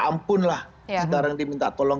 ampun lah sekarang diminta tolong